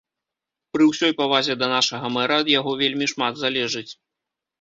Пры ўсёй павазе да нашага мэра, ад яго вельмі шмат залежыць.